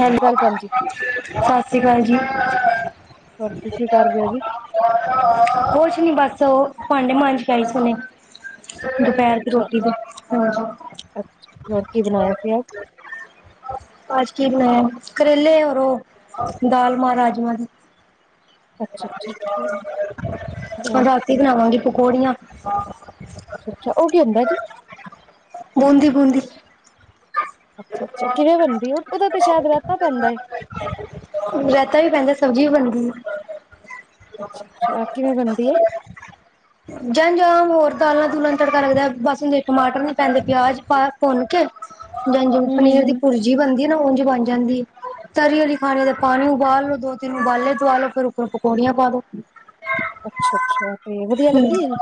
Hello ਗੱਲ ਭੈਣ ਜੀ ਸਤਿ ਸ਼੍ਰੀ ਅਕਾਲ ਜੀ ਹੋਰ ਤੁਸੀਂ ਕੀ ਕਰ ਰਹੇ ਹੋ ਜੀ ਕੁਛ ਨੀ ਬਸ ਉਹ ਭਾਂਡੇ ਮਾਂਜ ਕੇ ਆਈ ਸੀ ਅੱਛਾ ਦੁਪਹਿਰ ਦੀ ਅੱਛਾ ਰੋਟੀ ਦੇ [unintelligible] ਬਣਾਇਆ ਸੀ ਅੱਜ ਕਿ ਕਰੇਲੇ ਰ ਉਹ ਦਾਲ ਮਾਂਰਾਜਮਾਂ ਦੀ [inaudible] ਅੱਜ ਅੱਛਾ ਅੱਛਾ ਅੱਛਾ [unintelligible] ਬਣਾਵਾਂਗੇ ਪਕੌੜੀਆਂ। ਅੱਛਾ ਓਹ ਕੀ ਹੁੰਦਾ ਐ ਜੀ। [unintelligible] ਬੂੰਦੀ। ਅੱਛਾ-ਅੱਛਾ ਕਿਵੇਂ ਬਣਦੀ ਆ ਉਹਦਾ ਤੇ ਸ਼ਾਇਦ ਰਹਿਤਾ ਪੈਂਦਾ ਏ। ਰਾਇਤਾ ਵੀ ਪੈਂਦਾ ਸਬਜ਼ੀ ਵੀ ਬਣਦੀ ਆ ਅੱਛਾ ਅੱਛਾ ਕਿਵੇਂ ਬਣਦੀ ਏ [unintelligible] ਜਾਂ ਜਾ ਹੋਰ ਦਾਲਾਂ ਦੂਲਾਂ ਤੜਕਾ ਲੱਗਦਾ ਬਸ ਹੁੰ ਟਮਾਟਰ ਨੀ ਪੈਂਦੇ ਪਿਆਜ ਪਾ ਭੁੰਨ ਕੇ ਜਾਂ ਜਿ ਹੂੰ ਹੂੰ ਪਨੀਰ ਦੀ ਹੂੰ ਭੁਰਜੀ ਬਣਦੀ ਨਾ ਉਝ ਬਣ ਜਾਂਦੀ ਤਰੀ ਵਾਲੀ ਖਾਣੀ ਤੇ ਪਾਣੀ ਉਬਾਲ ਲੋ ਦੋ ਤਿੰਨ ਉਬਾਲੇ ਦਵਾਲੋ ਫੇਰ ਉਪਰੋਂ ਪਕੌੜੀਆਂ ਪਾ ਲੋ ਅੱਛਾ-ਅੱਛਾ, ਤੇ ਵਧੀਆ ਹਮ ਲੱਗਦੀ ਹੈ ਜੀ।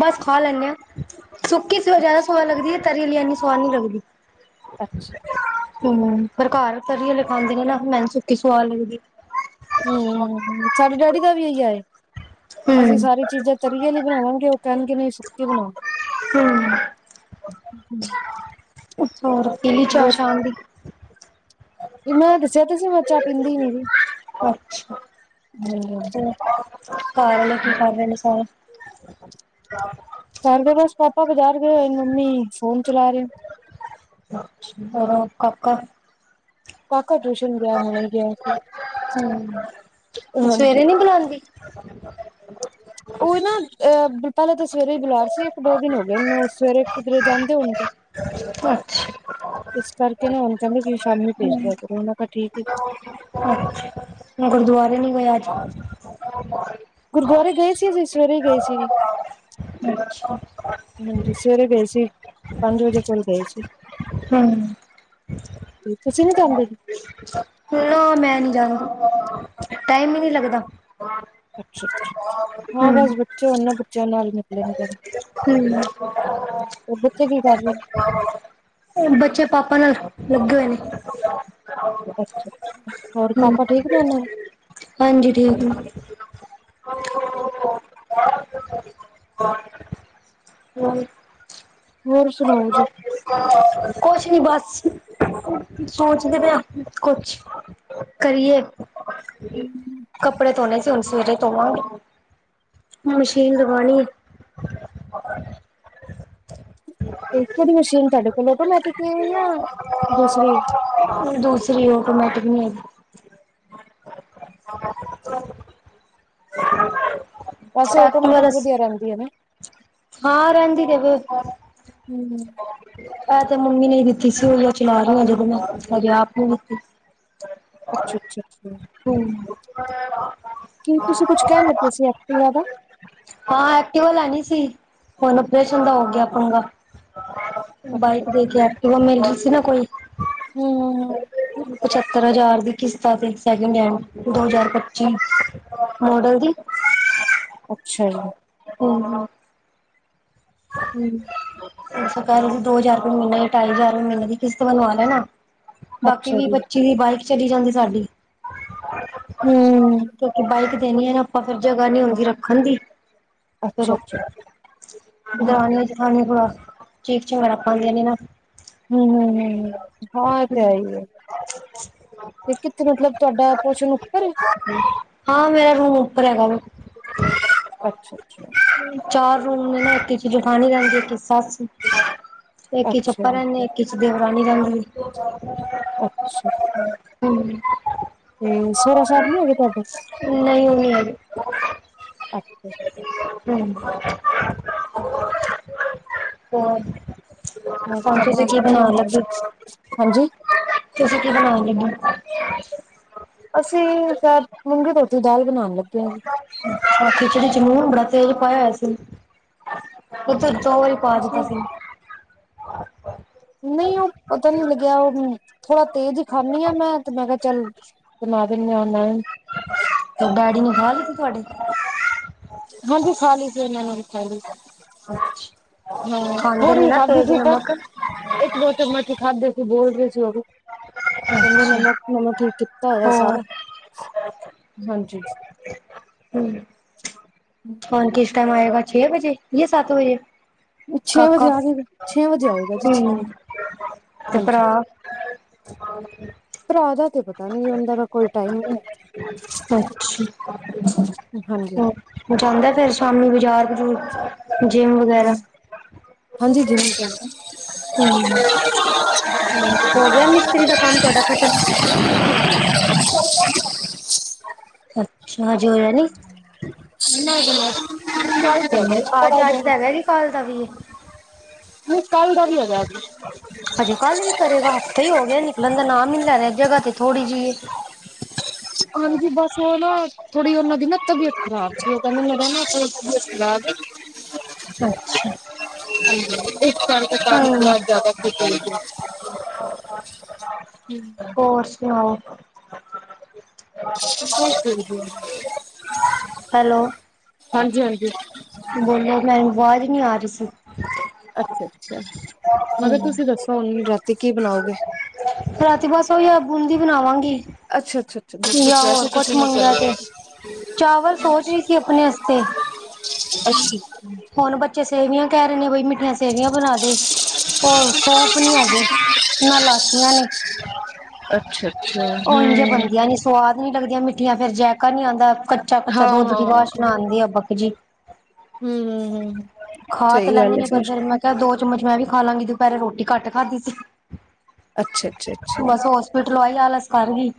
ਬਸ ਖਾ ਲੈਂਦੇ ਹਾਂ, ਸੁੱਕੀ ਸਗੋ ਜਿਆਦਾ ਅੱਛਾ ਸਵਾਦ ਲੱਗਦੀ ਹੈ ਤਰੀ ਲਈ ਇਨੀ ਸਆਦ ਨੀ ਲੱਗਦੀ। ਅੱਛਾ। ਹੂੰ, ਪਰ ਘਰ ਤਰੀ ਵਾਲੇ ਖਾਂਦੇ ਨੇ ਨਾ, ਮੈਨੂੰ ਸੁੱਕੀ ਸਵਾਦ ਲੱਗਦੀ। ਹੂੰ, ਸਾਡੇ ਡੈਡੀ ਦਾ ਵੀ ਇਹੀ ਆਏ। ਅਸੀਂ ਹੂੰ ਸਾਰੀ ਚੀਜ਼ਾਂ ਤਰੀ ਅਲੀ ਬਣਾਵਾਂਗੇ ਉਹ ਕਹਿਣਗੇ ਨਹੀਂ ਸੁੱਕੀ ਬਣਾਉਣ। ਹੂੰ। ਹੂੰ। ਓਹੋ ਪੀਲੀ ਚਾ ਸਾਂਮ ਦੀ। ਵੀ ਮੈਂ ਦੱਸਿਆ ਸੀ ਮੈਂ ਚਾਹ ਪੀਂਦੀ ਨੀ ਸੀ ਹੂੰ। ਘਾਰ ਆਲੇ ਕੀ ਕਰ ਰਹੇ ਨੇ ਸਾਰੇ? ਘਰ ਦੇ ਬਸ ਪਾਪਾ ਬਾਜ਼ਾਰ ਗਏ ਹੋਏ, ਮੰਮੀ ਫੋਨ ਚਲਾ ਰਹੇ। ਅੱਛ, ਹੋਰ ਤੁਹਾਡਾ ਕਾਕਾ ਕਾਕਾ ਟਿਊਸ਼ਨ ਗਿਆ ਹੁਣੇ ਗਿਆ ਸੀ, ਹਾਂਜੀ। ਗਂਦੀ। ਉਹ ਨਾ ਅਹ ਅ ਪਹਿਲਾਂ ਤਾਂ ਸਵੇਰੇ ਹੀ ਬੁਲਾਰ ਸੀ, ਇੱਕ-ਦੋ ਦਿਨ ਹੋ ਗਏ ਮਨੂੰ ਸਵੇਰੇ ਕਿਧਰੇ ਜਾਂਦੇ ਹੋਣਗੇ। ਹ। ਅਛਾੱ। ਇਸ ਕਰਕੇ ਨਾ ਹੁਣ ਕਹਿੰਦੇ ਕਿ ਸ਼ਾਮੀ ਭੇਜ ਦਿਆ ਕਰੋ ਉਹ ਮੈ ਕਿਹਾ ਠੀਕ ਹੈ। ਅੱਛਾ, ਗੁਰਦੁਆਰੇ ਨੀ ਗਏ ਅੱਜ। ਗੁਰਦੁਆਰੇ ਗਏ ਸੀ, ਅਸੀ ਸਵੇਰੇ ਹੀ ਗਏ ਸੀ। ਦਰਸ਼ ਅੱਛਾ। ਹਾਂਜੀ, ਸਵੇਰੇ ਗਏ ਸੀ ਪੰਜ ਵਜੇ ਕੋਲ ਗਏ ਸੀ। ਹੂੰ। ਤੁਸੀਂ ਨੀ ਜਾਂਦੇ। ਨਾ ਮੈਂ ਨੀ ਜਾੰਦੀ, ਟਾਈਮ ਹੀ ਨਹੀ ਲੱਗਦਾ। ਅੱਛਾ-ਅੱਛਾ, ਅ ਹਾਂ ਬਸ ਬੱਚੇ ਉਹਣ ਬੱਚਿਆਂ ਨਾਲ ਨਿਕਲੇ ਨੀ ਜਾਂਦਾ। ਹੂੰ। ਬੱਚੇ ਕੀ ਕਰ ਰਹੇ ਹੁਣ ਬੱਚੇ ਪਾਪਾ ਨਾਲ ਲੱਗੇ ਹੋਏ ਨੇ। ਅੱਛਾ-ਅੱਛਾ, ਹੋਰ ਹੂੰ ਪਾਪਾ ਠੀਕ ਨੇ ਉਹਨਾਂ ਦੇ। ਹਾਂਜੀ, ਠੀਕ ਨੇ। ਅੱਛਾ। ਕੋਣ? ਕੋਣ? ਹੋਰ ਸੁਣਾਉ ਜੀ। ਹ। [unintelligible] ਕੁਛ ਨੀ ਬਸ, ਸੋਚਦੇ ਪਏ ਹਾਂ, ਕੁਛ ਕਰੀਐ। ਕੱਪੜੇ ਧੋਣੇ ਸੀ, ਹੁਣ ਸਵੇਰੇ ਧੋਵਾਂਗੇ। ਮਸ਼ੀਨ ਲਗਾਣੀ ਹੈ। ਤੇ ਕਿਹੜੀ ਮਸ਼ੀਨ ਤੁਹਾਡੇ ਕੋਲ ਆਟੋਮੈਟਿਕ ਏ ਯਾਂ ਦੂਸਰੀ। ਦੂਸਰੀ ਹੈ, ਆਟੋਮੈਟਿਕ ਨਹੀਂ ਹੈਗੀ। ਵੈਸੇ ਐਕਟਿਵਾ ਦਾ ਔਟੋਮੈਟਿਕ ਵਧੀਆ ਰਹਿੰਦੀ ਹੈਨਾ। ਹਾਂ ਰੇਂਦੀ ਤੇ ਵੇ ਹੂੰ। ਏ ਤੇ ਮੰਮੀ ਨੇ ਹੀ ਦਿੱਤੀ ਸੀ ਉਹੀਉ ਚਲਾ ਰਹੀ ਹਜੇ ਮੈਂ ਹਜੇ ਆਪ ਨੀਂ ਲਿਤੀ। ਅੱਛਾ-ਅੱਛਾ-ਅੱਛਾ ਛ। ਹੂੰ। ਹੂੰ। ਕੀ ਤੁਸੀਂ ਕੁੱਝ ਕਹਿਣ ਲੱਗੇ ਸੀ ਐਕਟਿਵਾ ਦਾ। ਹਾਂ, ਐਕਟੀਵਾ ਲੈਣੀ ਸੀ, ਹੁਣ ਅਪਰੇਸ਼ਨ ਦਾ ਹੋ ਗਿਆ ਪਗਾ। ਅੱਛਾ, ਬਾਾਈਕ ਦੇ ਅੱਛਾ। ਕੇ ਐਕਟੀਵਾ ਮਿਲ ਰਹੀ ਸੀ ਨਾ ਕੋਈ। ਹਮ- ਹਮ। ਪਚੱਤਰ ਹਜ਼ਾਰ ਦੀ ਕਿਸ਼ਤਾਂ ਤੇ, ਸੈਕਿੰਡ ਹੈਂਡ ਦੋ ਹਜ਼ਾਰ ਪੱਚੀ ਅ। ਮਾਡਲ ਦੀ। ਅੱਛਾ ਜੀ। ਹਮ ਅ। ਹਮਮ। ਸਰਕਾਰ ਦੋ ਹਜ਼ਾਰ ਰੁਪਏ ਮਹੀਨੇ ਢਾਈ ਹਜ਼ਾਰ ਰਪਏ ਮਹੀਨੇ ਦੀ ਕਿਸ਼ਤ ਭਰਵਾ ਲੈਣਾ, ਬਾਕੀ ਅੱਛਾ ਦੀ ਜੀ, ਪੱਚੀ। ਇਹ ਬਾਈਕ ਚਲੀ ਜਾਂਦੀ ਸਾਡੀ। ਹਮ ਕਿਉਂਕਿ ਬਾਈਕ ਦੇਣੀ ਏ ਆਪਾਂ, ਫਿਰ ਜਗ੍ਹਾ ਨਹੀਂ ਹੁੰਦੀ ਰੱਖਣ ਦੀ, ਫਿਰ ਅੱਛਾ, ਅੱਛਾ। ਹੂੰ। ਦਰਾਣੀਆਂ, ਜੇਠਾਣੀਆਂ ਥੋੜਾ ਚੀਕ ਚਿੰਗਾੜਾ ਪਾਉਦੀਆਂ ਨੇ ਨਾ ਹਮ -ਹਮ -ਹਮ, ਹਾਂ ਇਹ ਤੇ ਹੇੈ ਏ [inaudible] ਤੇ ਕਿੱਥੇ, ਮਤਲਬ ਤੁਹਾਡਾ ਪੋਸ਼ਣ ਉੱਪਰ ਏ ਹਾਂ, ਮੇਰਾ ਰੂਮ ਉੱਪਰ ਹੈਗਾ ਵੇ ਅੱਛਾ, ਅੱਛਾ ਚਾਰ ਰੂਮ ਨੇ ਨਾ, ਇੱਕ ਇਚ ਜਠਾਣੀ ਰਹਿੰਦੀ, ਇੱਕ 'ਚ ਸੱਸ ਇੱਕ ਇਚ ਅੱਛਾ ਆਂਪਾ ਜੀ, ਰਹਿੰਦੇ ਆਂ ਇਕ ਇਚ ਦੇਵਰਾਨੀ ਰਹਿੰਦੀ ਏ ਅੱਛਾ ਹਮ, ਤੇ ਸੋਹਰਾ ਸਾਹਿਬ ਨੀ ਹੈਗੇ ਤੁਹਾਡੇ? ਨਹੀਂ ਉਹ ਨਹੀਂ ਹੈਗੇ ਅੱਛਾ ਜੀ ਹਮ [inaudible] ਹੋਰ, ਹੋਰ ਹੁਣ ਤੁਹਾਡਾ ਤੁਸੀਂ ਕੀ ਬਣਾਉਣ ਹਸਬੈਂਡ? ਲੱਗੇ ਹਾਂਜੀ ਤੁਸੀਂ ਕਿ ਬਣਾਉਣ ਲਗੇ ਅਸੀਂ ਸਾਇਦ ਮੂੰਗੀ ਧੋਤੀ ਦਾਲ ਬਣਾਉਣ ਲੱਗੇ ਹਾਂ ਜੀ ਖਿਚੜੀ 'ਚ ਲੂਣ ਬੜਾ ਤੇਜ਼ ਪਾਇਆ ਹੋਇਆ ਸੀ, ਅੱਛਾ, ਅੱਛਾ ਓ ਅੱਛਾ ਜੀ ਨਹੀਂ ਉਹ ਪਤਾ ਨੀ ਲੱਗਿਆ, ਉਹ ਥੋੜਾ ਤੇਜ ਖਾਂਦੀ ਆ, ਮੈਂ ਤੇ ਮੈਂ ਕਿਹਾ ਚੱਲ ਬਣਾ ਦਿੰਦੇ ਆ ਏ ਹੁਣ ਤੇ ਡੈਡੀ ਨੇ ਖਾ ਲਿੱਤੀ ਤੁਹਾਡੇ ਹਾਂਜੀ ਖਾ ਲਈ ਸੀ ਉਨਾਂ ਨੇ ਵੀ, ਖਾ ਲਈ ਸੀ ਮੈ, ਖਾਂਦੇ ਥੋੜੀ ਨੇ ਜੀ ਨਾ ਖਾਧੀ ਤੇਜ਼ ਸੀ ਪਰ ਨਮਕ। ਇੱਕ ਦੋ ਚਮਚ ਹੀ ਖਾਦੇੇ ਸੀ, ਬੋਲ ਰਹੀ ਸੀ ਉਹ ਵੀ ਕਹਿੰਦੇ ਅੱਛਾ, ਨਮਕ, ਨਮਕ ਹੀ ਕੀਤਾ ਹੋਇਆ ਹੋਰ ਸਾਰਾ ਹਾਂਜੀ ਹਮ ਫੋਨ ਕਿਸ ਟਾਈਮ ਆਏਗਾ ਛੇ ਵਜੇ ਯ ਸੱਤ ਵਜੇ। ਛੇ ਕਾਕਾ, ਵਜੇ ਆ ਜਾਏਗਾ ਛੇ ਵਜੇ ਆਏਗਾ ਜੀ ਛੇ ਵਜੇ ਤੇ ਹਾਂਜੀ ਭਰਾ। [unintelligible] ਭਰਾ ਦਾ ਤੇ ਪਤਾ ਨੀ, ਉਹਦਾ ਦਾ ਕੋਈ ਟਾਈਮ ਨਹੀਂ ਹੈ। ਅੱਛਾ। ਹਾਂਜੀ। ਹੂੰ ਜਾਂਦਾ ਫਿਰ ਸ਼ਾਮੀ ਬਾਜ਼ਾਰ ਬਜੂਰ, ਜਿੰਮ ਹਾਂ ਵਗੈਰਾ। ਹਾਂਜੀ ਜਿੰਮ ਜਾਂਦਾ [inaudible] ਹੂੰ ਹੋ ਗਿਆ ਮਿਸਤਰੀ ਦਾ ਕੰਮ ਤੁਹਾਡਾ ਖਤਮ? [inaudible] ਅੱਛਾ, ਹਜੇ ਹੋਇਆ ਨੀ [unintelligible] ਕਲ ਦਾ ਵੀ ਨਹੀ, ਕੱਲ ਦਾ ਵੀ ਹੋਗਿਆ। ਹਜੇ ਕੱਲ ਵੀ ਕਰੇਗਾ, ਹਫਤਾ ਹੀ ਹੋਗਿਆ ਨਿਕਲਣ ਦਾ ਨਾਮ ਹੀ ਨੀ ਲੈ ਰਿਹਾ, ਜਗ੍ਹਾ ਤੇ ਥੋੜ੍ਹੀ ਜਿਹੀ ਏ। ਹਾਂਜੀ, ਬਸ ਉਹ ਨਾ ਥੋੜੀ ਉਹਨਾਂ ਦੀ ਨਾ ਤਬੀਅਤ ਖਰਾਬ ਸੀ, ਉਹ ਕਹਿੰਦੇ ਮੇਰਾ ਨਾਂ ਥੋੜੀ ਤਬੀਅਤ ਖਰਾਬ ਏ। ਅੱਛਾ ਹਾਂਜੀ। ਇਸ ਕਰਕੇ ਕੰਮ ਥੋੜਾ ਹੂੰ ਜ਼ਿਆਦਾ [unintelligible] ਹੂੰ ਹੋਰ ਸੁਣਾਓ? [unintelligible] ਹੈਲੋ। ਹਾਂਜੀ-ਹਾਂਜੀ‌। ਬੋਲੋ, ਮੈਨ ਆਵਾਜ਼ ਈ ਨਹੀਂ ਆ ਰਹੀ ਸੀ। ਅੱਛਾ-ਅੱਛਾ ''ਮੈਂ ਕਿਹਾ ਹੂੰ ਤੁਸੀ ਦੱਸੋ, ਹੁਨ ਰ੍ਹਾਤੀ ਕੀ ਬਣਾਓਗੇ? ਰਾਤੀ ਬਸ ਉਹੀਓ ਬੂੰਦੀ ਬਣਾਵਾਂਗੀ। ਅੱਛਾ-ਅੱਛਾ। ਕੀਆ ਹੋਰ ਕੁਛ ਮੰਗਿਆ ਤੇ, ਚਾਵਲ ਸੋਚ ਰਹੀ ਸੀ, ਅਪਣੇ ਵਸਤੇ। ਅੱਛਾ। ਹੋਨ ਬੱਚੇ ਸੇਵੀਆਂ ਕਹਿ ਰਹੇ ਨੇ ਬਈ, ਮਿੱਠੀਆਂ ਸੇਵੀਆਂ ਬਣਾਦੇ। ਹੋਰ ਸੌਂਫ ਨਹੀਂ ਹੈਗੇ, ਨਾ ਲਾਚੀਆਂ ਨੇ। ਅੱਛਾ ਅੱਛਾ ਉਝ ਹਮ ਬਣਦੀਆਂ ਨੀ, ਸਵਾਦ ਨੀ ਲੱਗਦੀਆਂ ਮੀ ਯਾ ਫਿਰ ਜੈਕਾ ਨੀ ਆਂਦਾ। ਕੱਚਾ-ਕੱਚਾ ਹਾਂ ਦੁੱਧ ਹਾਂ ਦੀ ਹਮ ਬਾਸ਼ਨਾ ਆਂਦੀ ਆ ਬਕ ਜੀ। ਹਮ ਹਮ ਖਾ ਤਾਂ ਸਹੀ ਲੈਂਨੇ ਗੱਲ ਹੈ ਨੇ, ਪਰ ਫਿਰ ਮੈਂ ਤੇ, ਦੋ-ਚਮਚ 'ਮੈਂ ਵੀ ਖਾਲਾਂਗੀ ਦੁਪਹਿਰੇ ਰ੍ਹੋਟੀ ਘੱਟ ਖਾਧੀ ਸੀ। ਅੱਛਾ-ਅੱਛਾ-ਅੱਛਾ। ਟ੍ਰੌਈਲ ਆਲਸ ਕਰ ਗਈ,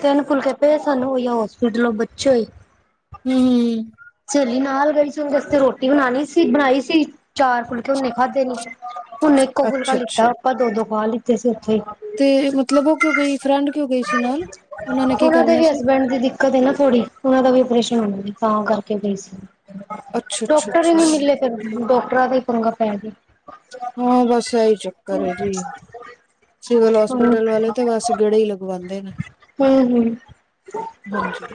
ਤਿੰਨ ਫੁਲਕੇ ਭੇਜ ਸਾਨੂੰ, ਓਹੀਓ ਹੋਸਪਿਟਲੋ ਬੱਚੇ ਹੋਏ। ਹੂੰ-ਹੂੰ। ਸਹੇਲੀ ਨਾਲ ਗਈ ਸੀ, ਉਹਦੇ ਅਸਤੇ ਰੋਟੀ ਬਣਾਣੀ ਸੀ, ਬਣਾਈ ਸੀ। ਚਾਰ ਫੁਲਕੇ ਉਹਨੇ ਖਾਧੇ ਨੀ, ਉਹਨੇ ਇੱਕੋ ਫੁਲਕਾ ਅੱਛਾ ਲਿੱਤਾ। ਅੱਛਾ ਆਪਾਂ ਦੋ-ਦੋ ਖਾ ਲਿੱਤੇ ਸੀ, ਉੱਥੇ ਹੀ। ਤੇ ਮਤਲਬ, ਉਹ ਕਿਉਂ ਗਈ ਫਰੈਂਡ ਕਿਉਂ ਗਈ ਸੀ ਨਾਲ? ਉਹਨਾਂ ਨੇ ਕੀ ਦੇ ਕਰਨਾ ਵੀ ਸੀ? ਹਸਬੈਂਡ ਦੀ ਦਿੱਕਤ ਹੈਨਾ ਥੋੜ੍ਹੀ, ਉਹਨਾਂ ਦਾ ਵੀ ਓਪਰੇਸ਼ਨ ਹੋਣਾ ਤਾਂ ਕਰਕੇ ਗਈ ਸੀ। ਅੱਛਾ ਅੱਛਾ ਡੋਕਟਰ ਹੀ ਅੱਛਾ ਨਹੀ ਮਿਲੇ ਫਿਰ, ਡੌਕਟਰਾਂ ਦਾ ਹੀ ਪੰਗਾ ਪੈਗਿਆ। ਹਾਂ ਬਸ, ਐਹੀ ਚੱਕਰ ਏਜੀ, ਸਿਵਲ ਹੂੰ, ਹੋਸਪਿਟਲ ਵਾਲੇ ਤੇ ਬਸ ਗੇੜੇ ਹੀ ਲ ਹੂੰ, ਹੂੰ। ਹਾਂਜੀ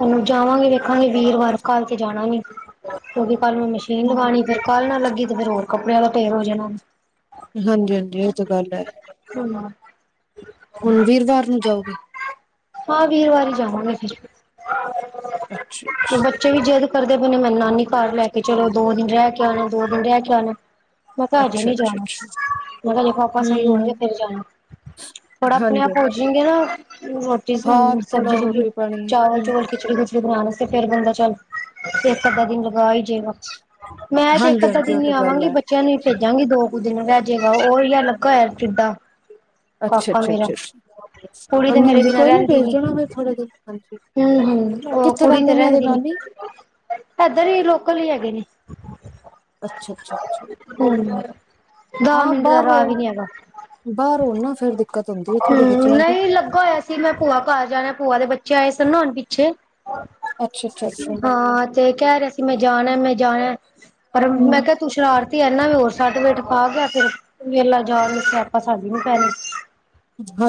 ਹੂਨ ਜਾਵਾਂਗੇ, ਵੇਖਾਂਗੇ ਵੀਰਵਾਰ ਕਲ ਤੇ ਜਾਣਾ ਨਹੀ। ਕਿਉਂਕਿ ਕੱਲ ਮੈਂ ਮਸ਼ੀਨ ਲਗਾਣੀ ਹਾਂਜੀ ਫੇਰ ਕੱਲ੍ਹ ਨਾ ਲੱਗੀ, ਤੇ ਫੇਰ ਹੋਰ ਕੱਪੜਿਆਂ ਦਾ ਫੇਰ ਹੋ ਜਾਣਾ। ਹਾਂਜੀ-ਹਾਂਜੀ, ਇਹ ਤਾਂ ਗੱਲ ਹੈ। ਹਾਂ ਹੁਣ, ਵੀਰਵਾਰ ਨੂੰ ਜਾਓਗੇ? ਹਾਂ, ਵੀਰਵਾਰੀ ਜਾਵਾਂਗੇ ਫਿਰ। ਅੱਛਾ ਅੱਛਾ ਬਚੇ ਵੀ ਜਿੱਦ ਕਰਦੇ ਪਏ ਨੇ, ਮੈ ਨਾਨੀ ਘਰ ਲੈਕੇ ਚਲੋ, ਦੋ-ਦਿਨ ਰਹਿਕੇ ਆਣਾ, ਦੋ-ਦਿਨ ਰਹਿਕੇ ਆਣਾ। ਮੈਂ ਕਿਹਾ, ਹਜੇ ਅੱਛਾ ਨਹੀਂ ਅੱਛਾ ਜਾਣਾ। ਅੱਛਾ ਉਹਨਾਂ ਦੇ ਪਾਪਾ ਸਹੀ ਹੋਣਗੇ ਹਮ ਫੇਰ ਜਾਣਾ, ਥੋੜਾ ਹਾਂਜੀ ਆਪਣੇ-ਆਪ ਹੋ ਜਾਣਗੇ ਨਾ ਹਾਂ ਥੋੜਾ ਸਬਜ਼ੀ-ਸੁਬਜ਼ੀ, ਰੋਟੀ ਪਾਣੀ ਹਮ ਚਾਵਲ-ਚੁਵਲ, ਖਿਚੜੀ ਖ ਬਣਾਣ ਅਸਤੇ ਫੇਰ ਬੰਦਾ ਚੱਲ, ਫਿਰ ਇੱਕ-ਅੱਧਾ ਦਿਨ ਲਗਾ ਹੀ ਜੇਗਾ। ''ਮੈਂ ਤੇ ਹਾਂਜੀ ਇੱਕ-ਅੱਧਾ ਹਾਂਜੀ ਉਹ ਦਿਨ ਹੀ ਤਾਂ ਗੱਲ ਆਵਾਂਗੀ, ਹੈ ਬੱਚਿਆਂ ਨੂੰ ਹੀ ਭੇਜਾਂਗੀ ਦੋ ਕੁ ਦਿਨ ਰਹਿਜੇ ਉਹੀ ਆ, ਲੱਗਾ ਹੋਇਆ ਫਿੱਡਾ। ਅੱਛਾ-ਅੱਛਾ-ਅੱਛਾ-ਅੱਛਾ, ਕੁੜੀ ਤੇ ਮੇਰੇ ਹਾਂਜੀ-ਹਾਂਜੀ ਬਿਨਾਂ ਕੋਈ ਨੀ ਰਹਿੰਦੀ ਭੇਜ ਦੇਣਾ ਫਿਰ, ਥੋੜੇ ਦਿਨ ਹਾਂਜੀ। ਹੂੰ, ਹੂੰ ਉਹ ਕਿੱਥੇ ਕੁੜੀ ਤੇ ਰਹਿੰਦੇ ਨੇ ਇਹਦੇ ਰਹਿੰਦੀ ਨੀ। ਨਾਨੀ ਇਧਰ ਹੀ, ਲੋਕਲ ਹੀ ਹੈਗੇ ਨੇ। ਅੱਛਾ-ਅੱਛਾ- ਅੱਛਾ। ਹੂੰ। ਦਸ ਹਾਂ, ਮਿੰਟ ਦਾ ਬਾਹਰ ਰਾਹ ਵੀ ਰਹੋਂ ਨੀ ਹੈਗਾ ਬਾਹਰ ਰਹੋਂ ਨਾ ਫਿਰ ਦਿਕ ਹੂੰ, ਨਹੀਂ ਲੱਗਾ ਹੋਇਆ ਸੀ ਮੈਂ ਭੂਆ ਘਰ ਜਾਣਾ, ਭੂਆ ਦੇ ਬੱਚੇ ਆਏ ਸਨ ਨਾ ਹੁਣ ਪਿੱਛੇ। ਅੱਛਾ ਅੱਛਾ ਅੱਛਾ ਹਾਂ, ਤੇ ਕਹਿ ਰਿਹਾ ਸੀ ਮੈਂ ਜਾਣਾ ਮੈਂ ਜਾਣਾ ਪਰ ਮੈਂ ਹਮ ਕਿਹਾ ਤੂੰ ਸ਼ਰਾਰਤੀ ਇਨਾ ਵੀ ਹੋਰ ਸਾਡ-ਵੇਠ ਖਾ ਗਿਆ ਫਿਰ ਵੇਲਾ ਜਾਣ ਨੂੰ ਸਿਆਪਾਂ ਸਾਡੀ ਨੂੰ ਪੈਣੇ।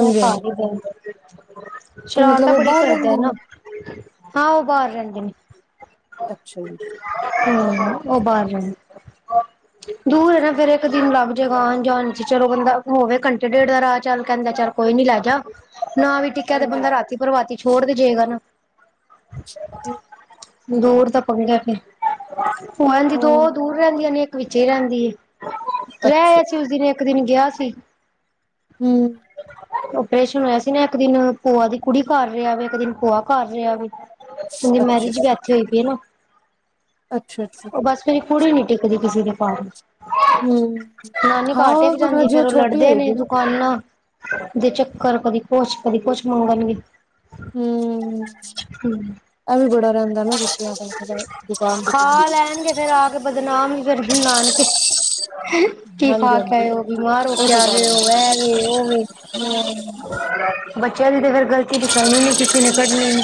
ਮੈਂ ਘਰ ਹਾਂਜੀ ਹੀ ਬੈਠ, ਕਿ ਮਤਲਬ ਸ਼ਰਾਰਤਾ ਉਹ ਬੜੀ ਬਾਹਰ ਕਰਦਾ ਰਹਿੰਦੇ ਨੇ ਨਾ। ਹਾਂ, ਉਹ ਬਾਰ ਰਹਿਨਦੇ ਨੇ। ਅੱਛਾ ਜੀ। ਹੂੰ, ਉਹ ਬਾਹਰ ਰਹਿਦੇ, ਦੂਰ ਹੈਨਾ ਫੇਿਰ ਇੱਕ ਦਿਨ ਲਗ ਜਾਏਗਾ, ਆਣ-ਜਾਣ ਚ ਚਲੋੰ ਹੋਵੇ ਘੰਟੇ-ਡੇਢ ਦਾ ਰਾਹ ਚੱਲ ਕਹਿੰਦਾ ਚੱਲ ਕੋਈ ਨੀ ਲੈਜਾ, ਨਾ ਵੀ ਟਿੱਕਿਆ ਤੇ ਹਾਂਜੀ ਬੰਦਾ ਹਾਂਜੀ ਰਾਤੀ-ਪਰਵਾਤੀ ਛੋੜ ਦੇਜੇਗਾ ਨਾ। [unintelligible] ਦੂਰ ਤਾਂ ਪੰਗਾ ਫਿਰ ਉਹ ਇਨਜ ਦੋ ਹੂੰ ਦੂਰ ਰਹਿੰਦੀਆਂ ਨੇ ਇੱਕ ਵਿੱਚੇ ਹੀ ਰਹਿੰਦੀ ਏ, ਰਹਿ ਅੱਛਾ ਆਇਆ ਸੀ ਉਸ ਦਿਨ ਇੱਕ ਦਿਨ ਗਿਆ ਸੀ। ਹੂੰ। ਆਪਰੇਸ਼ਨ ਹੋਇਆ ਸੀ ਨਾ, ਇੱਕ ਦਿਨ ਭੂਆ ਦੀ ਕੁੜੀ ਕਰ ਰਿਹਾ ਵੇ, ਇੱਕ ਦਿਨ ਭੂਆ ਘਰ ਰਿਹਾ ਵੇ। ਉਹਦੀ ਅੱਛਾ ਮੈਰਿਜ ਵੀ ਇੱਥੇ ਹੋਈ ਪਈ ਨਾ। ਅੱਛਾ-ਅੱਛਾ। ਉਹ ਬਸ ਮੇਰੀ ਕੁੜੀ ਹੀ ਨੀ ਟਿਕਦੀ ਕਿਸੇ ਦੇ ਘਰ। ਹੂੰ ਨਾਨੀ ਘਰ ਹਾਂ ਟਿਕ ਫਿਰ ਜਾਦੀ ਹਜੇ ਫੇਰ ਉਹ ਛੋਟੀ ਲੜਦੇ ਨੇ। ਹੋਏਗੀ ਨਾ ਫੋਨ ਦਗ ਚੱਕਰ ਕਦੀ ਕੁੱਛ, ਕਦੀ ਕੁੱਛ ਮੰਗਣਗੇ। ਹੂੰ। ਹੂੰ। ਇਹ ਵੀ ਬੜਾ ਰਹਿੰਦਾ ਨਾ ਬੱਚਿਆਂ ਕੋਲ ਦੁਕਾਨ-ਦਕੁਨ ਖਾ ਲੈਣਗੇ ਫੇਰ ਆ ਕੇ ਦਾ ਬਦਨਾਮ ਵੀ ਫਿਰ ਨਾਨਕੇ, ਕੀ ਹਾਂਜੀ ਖਾ ਹਾਂਜੀ ਕੇ ਆਏ ਹੋ, ਉਹ ਬਿਮਾਰ ਹੋ ਕੇ ਤਾਂ ਆ ਗੱਲ ਗਏ ਹੋ। ਹੈ ਮੈ ਵੀ, ਉਹ ਵੀ। ਬੱਚਿਆਂ ਦੀ ਤਾਂ ਫਿਰ ਗਲਤੀ ਦਿਖਾਈਣੀ ਕਿਸੇ ਨੇ ਕੱਢਣੀ ਨੀ।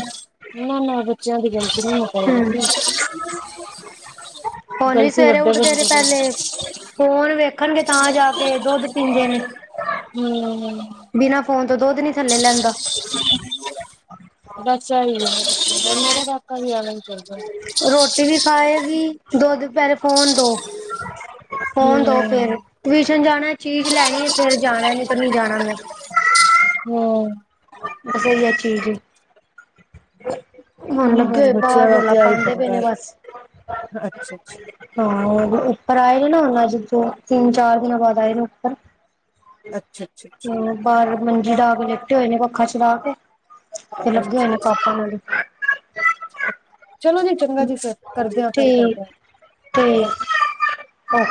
ਨਾ-ਨਾ, ਬੱਚਿਆਂ ਦੀ ਗਲਤੀ ਨਹੀਂ ਮੰਨਣਗੇ। ਹੁਨ ਵੀ ਸਵੇਰੇ ਉੱਠਦੇ ਨੇ ਪਹਿਲੇ ਫੋਨ ਵੇਖਣਗੇ ਤਾਂ ਜਾ ਕੇ ਦੁੱਧ ਪੀਂਦੇ ਨੇ। ਹੂੰ-ਹੂੰ। ਬਿਨਾਂ ਫੋਨ ਤੋਂ ਦੁੱਧ ਨੀ ਥੱਲੇ ਲੈਂਦਾ। ਬੱਸ ਇਹੀ ਹੈ, ਮੇਰਾ ਕਾਕਾ ਵੀ ਏਵੇ ਹੀ ਕਰਦਾ। ਰੋਟੀ ਵੀ ਖਾਏਗੀ, ਦੁੱਧ ਪਹਿਲੇ ਫੋਨ ਦੋ। ਫੋਨ ਦੋ ਹੂੰ ਫੇਰ ਟਊਸ਼ਨ ਜਾਣਾ ਚੀਜ਼ ਲੈਣੀ ਹੈ ਫੇਰ ਜਾਣਾ ਨੀ ਤੇ ਨਹੀਂ ਜਾਣਾ ਮੈਂ। ਹੂੰ। ਬਸ ਇਹੀ ਆ ਚੀਜ਼। ਹੁਣ ਹੂੰ ਲੱਗੇ ਬਸ ਹੋਏ ਬੱਚਿਆਂ ਬਾਹਰ ਦਾ ਰੌਲਾ ਤੇ ਆਹੀ ਪਾਂਉਦੇ ਪੈ ਪੰਗਾ ਨੇ ਏ ਬੱਸ। ਅੱਛਾ-ਅੱਛਾ, ਹਾਂ, ਉੱਪਰ ਆਏ ਨੇ ਨਾ ਅੱਜ ਤਿੰਨ-ਚਾਰ ਦਿਨਾਂ ਬਾਦ ਆਏ ਨੇ ਉੱਪਰ। ਅੱਛਾ-ਅੱਛਾ-ਅੱਛਾ। ਬਾਹਰ ਮੰਜੀ ਡਾ ਕੇ ਲਟੇ ਹੋਏ ਨੇ ਪੱਖਾ ਚਲਾ ਕੇ ਤੇ ਲੱਗੇ ਹੋਏ ਅੱਛਾ ਨੇ ਪਾਪਾ ਨਾਲ ਹੀ। ਚਲੋ ਜੀ, ਚੰਗਾ ਜੀ ਫਿਰ ਕਰਦੇ ਆਂ ਫਿਰ ਕਰਦੇ ਆਂ। ਤੇ ਓਕੇ।